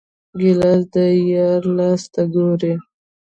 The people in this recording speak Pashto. ګیلاس د یار لاس ته ګوري.